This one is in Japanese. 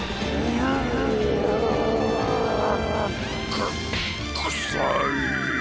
くくさい。